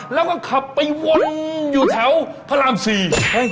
แล้วก็ขับไปวนอยู่แถวพระรามสี่